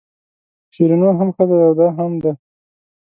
شیرینو هم ښځه ده او دا هم ده.